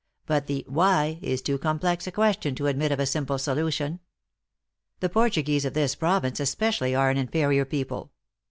But the why is too complex a question to admit of a simple solution. The Portuguese of this province especially are an inferior people.